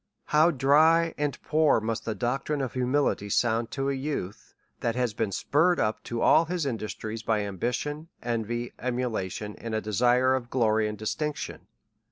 How dry and poor must the doctrine of humility sound to a youth, that has been spurred tip to all his industry by ambition, envy, emulation, and a desire of glory and distinction!